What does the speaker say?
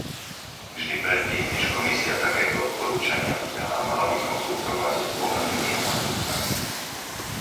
Vždy predtým, než Komisia takéto odporúčania vydá, mala by konzultovať so zvolenými zástupcami.